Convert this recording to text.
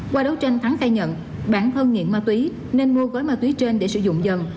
qua đấu tranh thắng khai nhận bản thân nghiện ma túy nên mua gói ma túy trên để sử dụng dần